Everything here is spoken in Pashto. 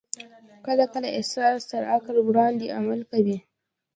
کله کله احساس تر عقل وړاندې عمل کوي.